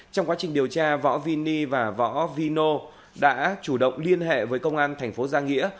trong quá trình điều tra võ vy ni và võ vy no đã chủ động liên hệ với công an thành phố giang nghĩa